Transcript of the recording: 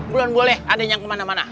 belum boleh adanya kemana mana